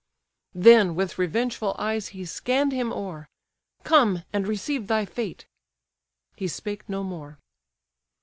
— Then with revengeful eyes he scann'd him o'er: "Come, and receive thy fate!" He spake no more.